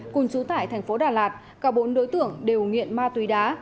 cùng chú tại thành phố đà lạt cả bốn đối tượng đều nghiện ma túy đá